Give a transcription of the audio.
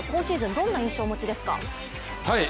どんな印象をお持ちですか？